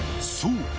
そう！